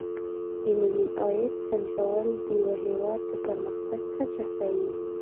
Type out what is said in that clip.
د ملي عاید سنجول د یو هېواد د پرمختګ کچه ښيي.